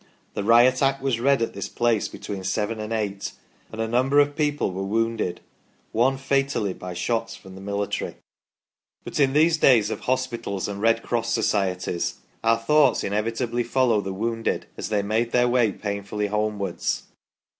The Riot Act was read at this place between seven and eight, and a number of people were wounded, one fatally, by shots from the military. But in these days of hospitals and Red Cross Societies our thoughts inevitably follow the wounded as they made their way pain fully homewards.